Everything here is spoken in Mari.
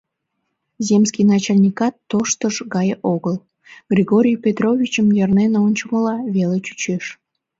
Земский начальникат тоштыж гай огыл, Григорий Петровичым йырнен ончымыла веле чучеш.